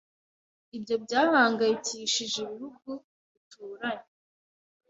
ibyo byahangayikishije ibihugu bituranyi.